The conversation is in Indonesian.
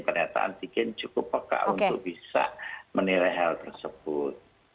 ternyata antigen cukup peka untuk bisa menilai hal tersebut